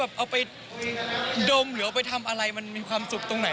เอาไปดมหรือเอาไปทำอะไรมันมีความสุขตรงไหน